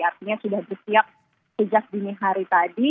artinya sudah bersiap sejak dini hari tadi